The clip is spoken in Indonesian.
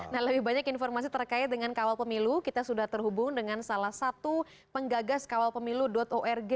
nah lebih banyak informasi terkait dengan kawal pemilu kita sudah terhubung dengan salah satu penggagas kawalpemilu org